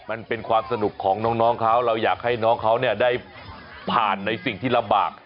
มันเป็นความสนุกของน้องเขาเราอยากให้น้องเขาได้ผ่านในสิ่งที่ลำบาก